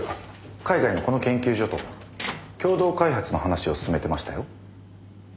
海外のこの研究所と共同開発の話を進めてましたよ。